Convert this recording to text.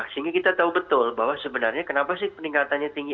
sehingga kita tahu betul bahwa sebenarnya kenapa sih peningkatannya tinggi